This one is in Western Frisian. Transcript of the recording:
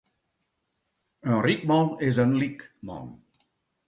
In ryk man is in lyk man.